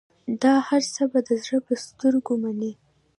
دا هرڅه به د زړه په سترګو منې.